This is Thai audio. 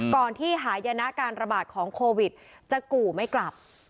ก่อนที่หายนะการระบาดของโควิดจะกู่ไม่กลับ